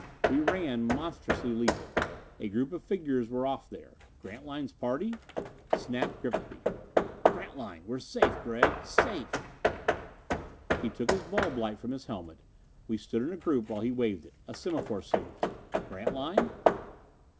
We ran, monstrously leaping. A group of figures were off there. Grantline's party? Snap gripped me. "Grantline! We're safe, Gregg! Safe!" He took his bulb light from his helmet: we stood in a group while he waved it. A semaphore signal. "_Grantline?